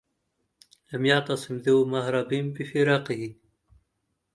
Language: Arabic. لم يعتصم ذو مهرب بفراقه